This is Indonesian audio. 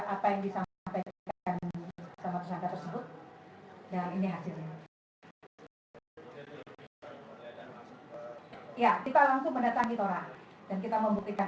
apa yang bisa tersebut dan ini hasilnya ya kita langsung mendatangi torah dan kita membuktikan